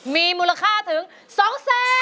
มีมูลค่าถึง๒๐๐๐บาท